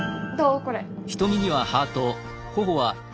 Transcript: これ。